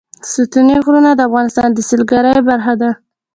ستوني غرونه د افغانستان د سیلګرۍ برخه ده.